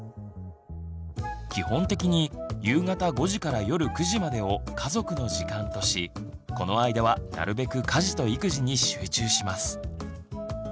基本的に夕方５時から夜９時までを「家族の時間」としこの間はなるべく家事と育児に集中します。